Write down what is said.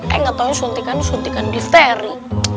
e gak tau disuntikan disuntikan di ferry